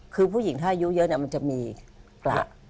คือผู้หญิงอายุเลิศเนี่ย็มันจะมีกระ